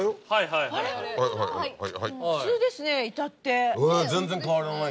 普通ですね至って。